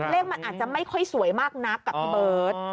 เลขมันอาจจะไม่ค่อยสวยมากนักกับเมิด